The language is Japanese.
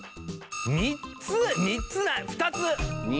３つ３つなあ２つ！